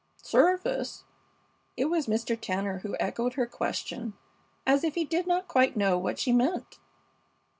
"Service?" It was Mr. Tanner who echoed her question as if he did not quite know what she meant.